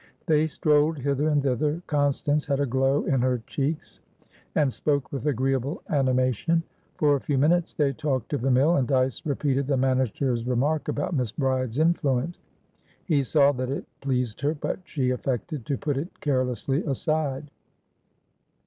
They strolled hither and thither. Constance had a glow in her checks, and spoke with agreeable animation. For a few minutes they talked of the mill, and Dyce repeated the manager's remark about Miss Bride's influence; he saw that it pleased her, but she affected to put it carelessly aside.